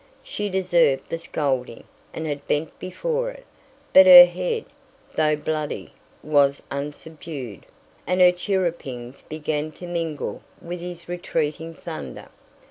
She deserved the scolding, and had bent before it, but her head, though bloody, was unsubdued, and her chirrupings began to mingle with his retreating thunder.